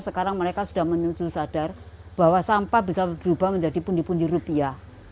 sekarang mereka sudah sadar bahwa sampah bisa berubah menjadi pundi pundi rupiah